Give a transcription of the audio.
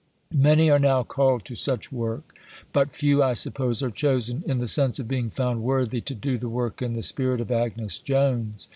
'" Many are now called to such work, but few, I suppose, are chosen in the sense of being found worthy to do the work in the spirit of Agnes Jones.